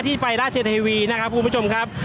ก็น่าจะมีการเปิดทางให้รถพยาบาลเคลื่อนต่อไปนะครับ